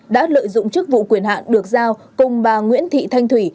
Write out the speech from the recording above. đã lợi dụng chức vụ quyền hạn được giao cùng bà nguyễn thị thanh thủy